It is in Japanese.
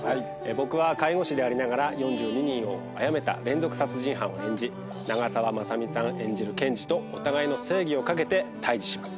僕は介護士でありながら４２人をあやめた連続殺人犯を演じ長澤まさみさん演じる検事とお互いの正義を懸けて対峙します。